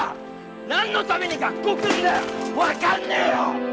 何のために学校来るんだよ分かんねえよ！